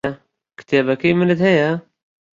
کتێبەکەی منت هەیە؟